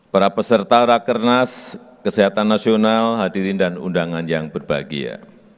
para peserta rakernas kesehatan nasional hadirin dan undangan yang berbahagia